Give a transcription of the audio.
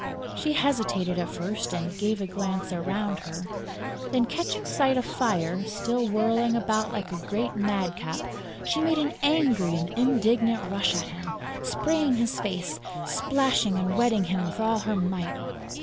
She hesitated at first and gave a glance around her; then, catching sight of Fire still whirling about like a great madcap, she made an angry and indignant rush at him, spraying his face, splashing and wetting him with all her might.